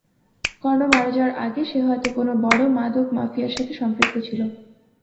কর্ণ মারা যাওয়ার আগে সে হয়তো কোনো বড়ো মাদক মাফিয়ার সাথে সম্পৃক্ত ছিল।